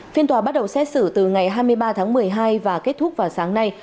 phiên tòa bắt đầu xét xử từ ngày hai mươi ba tháng một mươi hai và kết thúc vào sáng nay